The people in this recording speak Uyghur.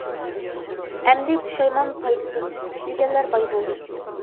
ئەمدى پۇشايمان پايدىسىز، ئىشلىگەنلەر باي بولدى.